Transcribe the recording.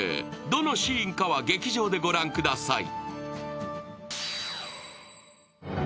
どのシーンかは劇場で御覧ください。